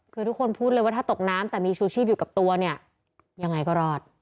คือทุกคนพูดเลยว่าถ้าตกน้ำแต่มีชูชีพอยู่กับตัวเนี่ยยังไงก็รอด